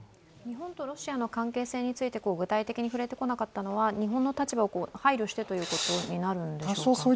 日本とロシアの関係性について具体的に触れてこなかったのは日本の立場を配慮してということになるんでしょうか？